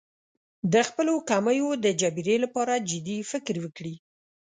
د خپلو کمیو د جبېرې لپاره جدي فکر وکړي.